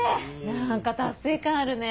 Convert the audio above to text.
何か達成感あるね